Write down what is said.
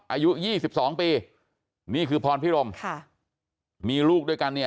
อายุ๒๒ปีนี่คือพรพิรมค่ะมีลูกด้วยกันเนี่ย